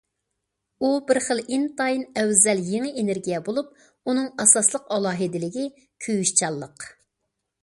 ئۇ بىر خىل ئىنتايىن ئەۋزەل يېڭى ئېنېرگىيە بولۇپ، ئۇنىڭ ئاساسلىق ئالاھىدىلىكى كۆيۈشچانلىق.